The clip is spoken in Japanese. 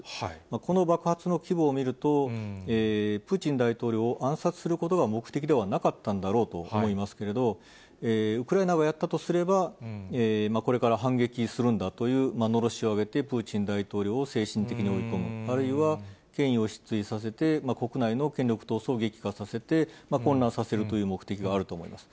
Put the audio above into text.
この爆発の規模を見ると、プーチン大統領を暗殺することが目的ではなかったんだろうと思いますけれども、ウクライナがやったとすれば、これから反撃するんだというのろしを上げて、プーチン大統領を精神的に追い込む、あるいは権威を失墜させて、国内の権力闘争を激化させて、混乱させるという目的があると思います。